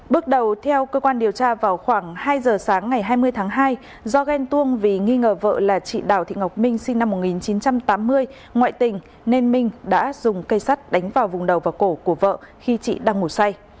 bước đầu theo cơ quan điều tra vào khoảng hai giờ sáng ngày hai mươi tháng hai do ghen tuông vì nghi ngờ vợ là chị đào thị ngọc minh sinh năm một nghìn chín trăm tám mươi ngoại tình nên minh đã dùng cây sắt đánh vào vùng đầu và cổ của vợ khi chị đang ngủ say